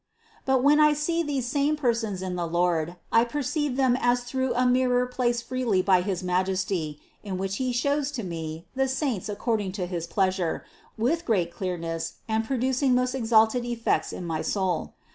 23. But when I see these same persons in the Lord, I perceive them as through a mirror placed freely by His Majesty, in which He shows to me the saints according to his pleasure, with great clearness and producing most exalted effects in my soul.